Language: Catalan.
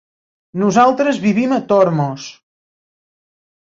Nosaltres vivim a Tormos.